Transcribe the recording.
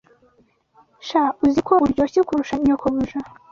Sha uzi ko uryoshye kurusha nyokobuja